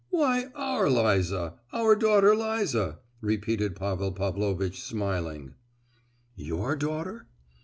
"Why—our Liza!—our daughter Liza!" repeated Pavel Pavlovitch, smiling. "Your daughter?